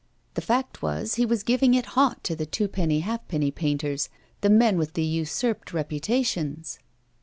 The fact was he was giving it hot to the twopenny halfpenny painters, the men with the usurped reputations!